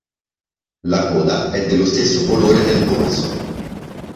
La coda è dello stesso colore del dorso.